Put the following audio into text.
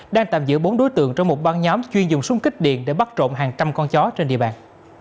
đang tạm giữ bốn đối tượng trong một băng nhóm chuyên dùng súng kích điện để bắt trộm hàng trăm con chó trên địa bàn